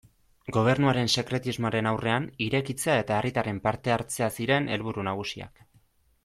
Gobernuaren sekretismoaren aurrean, irekitzea eta herritarren parte-hartzea ziren helburu nagusiak.